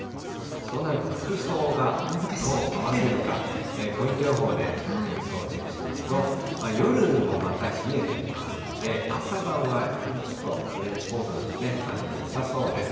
そうなると、服装が、どう合わせるか、ポイント予報でちょっと服装チェックしますと、夜もまた冷えてきますので、朝晩はやはりちょっとトレンチコートなどあるとよさそうです。